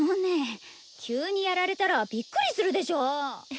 急にやられたらびっくりするでしょ！